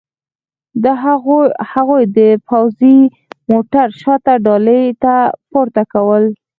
هغوی یې د پوځي موټر شاته ډالې ته پورته کول